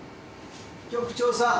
局長さん。